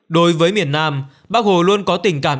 đối với miền nam bác hồ luôn có tình cảm